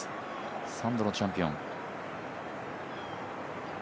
３度のチャンピオン。